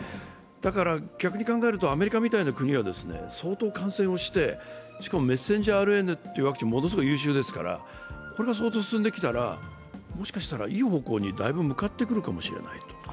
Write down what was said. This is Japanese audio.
だから逆に考えるとアメリカみたいな国は相当感染してしかもメッセンジャーＲＮＡというワクチンはものすごい優秀ですから、これが進んできたら、もしかしたら、いい方向にだいぶ向かってくるかもしれない。